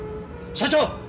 社長！